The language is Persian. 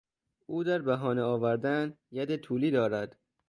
او در بهانه آوردن ید طولی دارد.